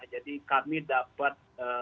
jadi kami dapat